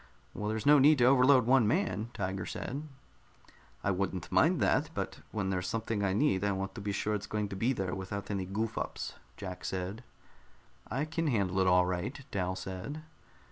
"Well, there's no need to overload one man," Tiger said. "I wouldn't mind that. But when there's something I need, I want to be sure it's going to be there without any goof ups," Jack said. "I can handle it all right," Dal said.